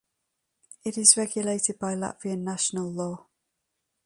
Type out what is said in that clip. It is regulated by Latvian national law.